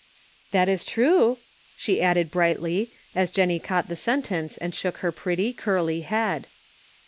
"That is true," she added, brightly, as Jennie caught the sentence and shook her pretty, curly head.